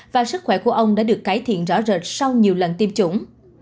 và sức khỏe của ông đã được cải thiện rõ rệt sau nhiều lần tiêm chủng